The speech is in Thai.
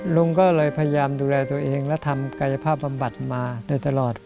ลุงก็เลยพยายามดูแลตัวเองและทำกายภาพบำบัดมาโดยตลอด